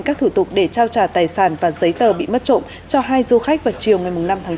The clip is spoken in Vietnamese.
các thủ tục để trao trả tài sản và giấy tờ bị mất trộm cho hai du khách vào chiều ngày năm tháng bốn